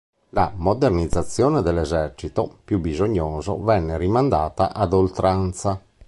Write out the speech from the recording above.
La modernizzazione dell'esercito, più bisognoso, venne rimandata ad oltranza.